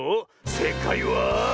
せいかいは。